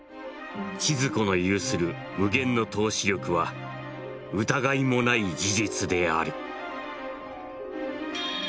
「千鶴子の有する無限の透視力は疑いもない事実である」。